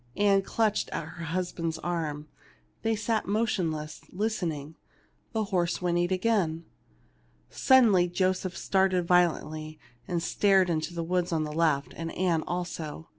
Ann clutched her husband's arm ; they sat motionless, listening ; the horse whinnied again. Suddenly Joseph started violently, and stared 229 THE LITTLE MAID AT THE DOOK into the woods on the left, and Ann also.